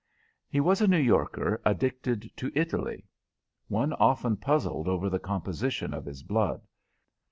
He was a New Yorker addicted to Italy. One often puzzled over the composition of his blood.